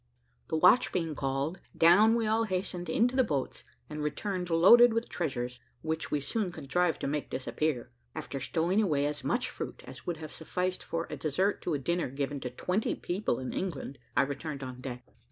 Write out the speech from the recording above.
The watch being called, down we all hastened into the boats, and returned loaded with treasures, which we soon contrived to make disappear. After stowing away as much fruit as would have sufficed for a dessert to a dinner given to twenty people in England, I returned on deck.